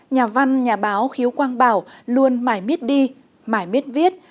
nhà văn nhà báo khiếu quang bảo luôn mãi miết đi mãi miết viết